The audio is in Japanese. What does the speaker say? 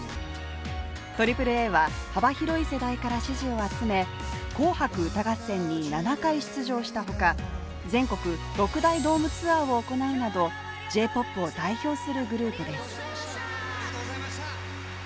ＡＡＡは幅広い世代から支持を集め「紅白歌合戦」に７回出場したほか全国６大ドームツアーを行うなど、Ｊ‐ＰＯＰを代表するグループです。